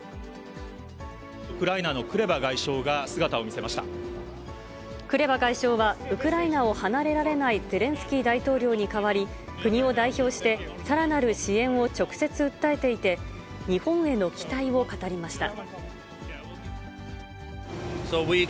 ウクライナのクレバ外相が、クレバ外相は、ウクライナを離れられないゼレンスキー大統領に代わり、国を代表して、さらなる支援を直接訴えていて、日本への期待を語りました。